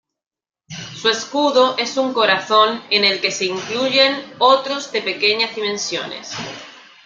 Su escudo es un corazón en el que se incluyen otros de pequeñas dimensiones.